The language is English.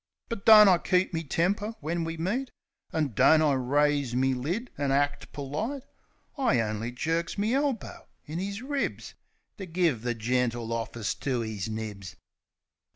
But don't I keep me temper when we meet? An' don't I raise me lid an' act perlite? I only jerks me elbow in 'is ribs, To give the gentle office to 'is nibs.